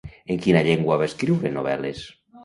En quina llengua va escriure novel·les?